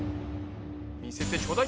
見せてちょうだい！